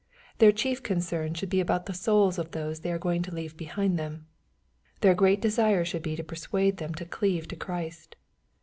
Their chief concern should be about the souls of those they are going to leave behind them. Their great desire should be to persuade them to cleave to Christ.